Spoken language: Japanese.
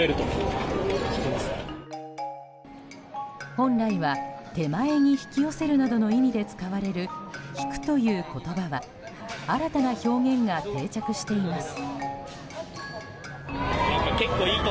本来は手前に引き寄せるなどの意味で使われる「引く」という言葉は新たな表現が定着しています。